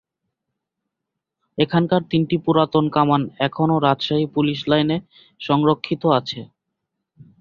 এখানকার তিনটি পুরাতন কামান এখনও রাজশাহী পুলিশ লাইন এ সংরক্ষিত আছে।